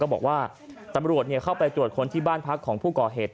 ก็บอกว่าตำรวจเนี่ยเข้าไปตรวจค้นที่บ้านพรรคของผู้กอเหตุ